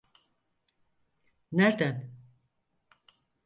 Nerden?